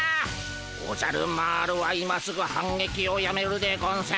おじゃる丸は今すぐ反撃をやめるでゴンス。